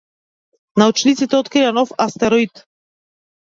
Научниците открија нов астероид.